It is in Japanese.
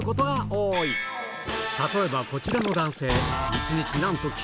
例えばこちらの男性